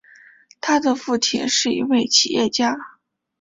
他的父亲是一位企业家。